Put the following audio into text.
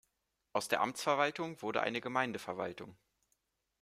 Aus der Amtsverwaltung wurde eine Gemeindeverwaltung.